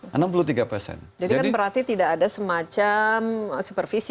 jadi kan berarti tidak ada semacam superficial